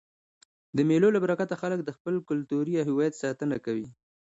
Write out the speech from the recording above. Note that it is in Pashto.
د مېلو له برکته خلک د خپل کلتوري هویت ساتنه کوي.